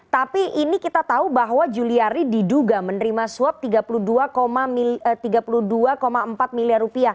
tapi ini kita tahu bahwa juliari diduga menerima suap rp tiga puluh dua empat miliar